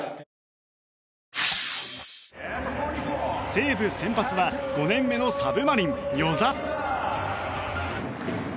西武先発は５年目のサブマリン、與座。